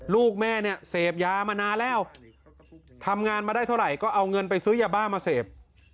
ลูกแม่เนี่ยเสพยามานานแล้วทำงานมาได้เท่าไหร่ก็เอาเงินไปซื้อยาบ้ามาเสพ